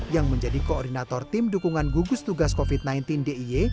yang menjadi koordinator tim dukungan gugus tugas covid sembilan belas diy